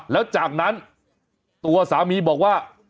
แล้วจากนั้นตัวสามีบอกว่า